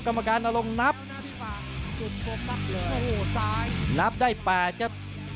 กรรมการอลงนับนับได้แปดครับ